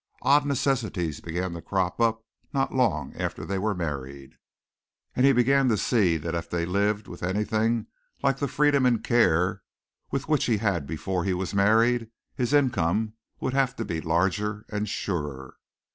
Odd necessities began to crop up not long after they were married, and he began to see that if they lived with anything like the freedom and care with which he had before he was married, his income would have to be larger and surer.